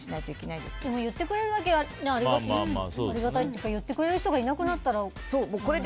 でも、言ってくれるだけありがたいというか言ってくれる人がいなくなったらもう。